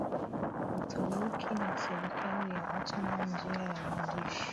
Uturuki na serikali ya Ottoman Njia ya waandishi